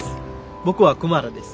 僕はクマラです。